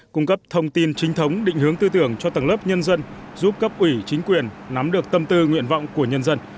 cung cấp thông tin chính thống định hướng tư tưởng cho tầng lớp nhân dân giúp cấp ủy chính quyền nắm được tâm tư nguyện vọng của nhân dân